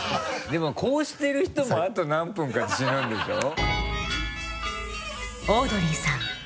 でもこうしてる人もあと何分かで死ぬんでしょ？